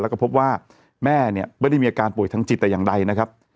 แล้วก็พบว่าแม่เนี่ยไม่ได้มีอาการป่วยทางจิตแต่อย่างใดนะครับ